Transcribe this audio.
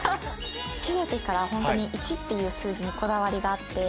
小さい時からホントに１っていう数字にこだわりがあって。